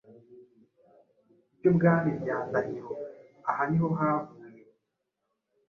ryubwami rya Ndahiro, aha niho havuye